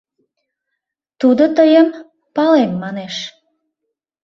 Тудо тыйым палем манеш.